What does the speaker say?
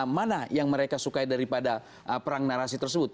mana yang mereka sukai daripada perang narasi tersebut